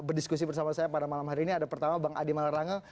dan berdiskusi bersama saya pada malam hari ini ada pertama bang adi malerlange